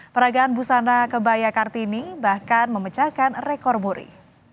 peragaan busana kebaya kartini bahkan memecahkan rekor muri